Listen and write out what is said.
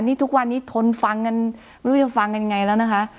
นี่ทุกวันนี้ทนฟังกันไม่รู้จะฟังกันไงแล้วนะคะ